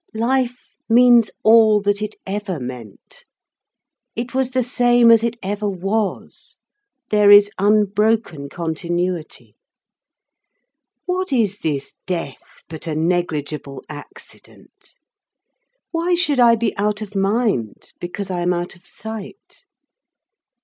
Life means all that it ever meant. It is the same as it ever was. There is absolute and unbroken continuity. What is this death but a negligible accident? Why should I be out of mind because I am out of sight?